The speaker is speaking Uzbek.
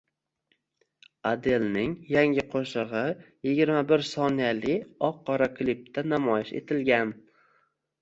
Adelning yangi qo‘shig‘iyigirma birsoniyali oq-qora klipda namoyish etilgan